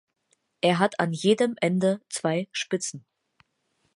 Er hat an jedem Ende zwei Spitzen.